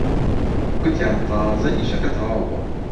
گوتیان تازە ئیشەکە تەواو بووە